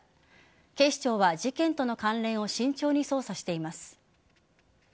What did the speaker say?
警視庁は事件との関連を慎重に捜査しています。